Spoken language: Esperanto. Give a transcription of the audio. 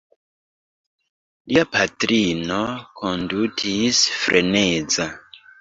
Lia patrino kondutis freneze.